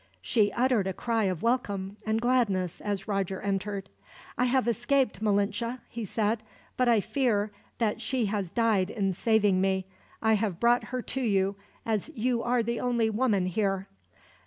She uttered a cry of welcome, and gladness, as Roger entered. "I have escaped, Malinche," he said; "but I fear that she has died in saving me. I have brought her to you, as you are the only woman here."